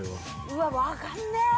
うわわかんねぇ。